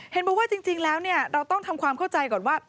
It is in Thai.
เห็นบอกว่าจริงแล้วเราต้องทำความเข้าใจก่อนว่า